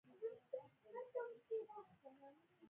د اوسنیو اوربشو او غنمو نیکونه دا څرګندوي.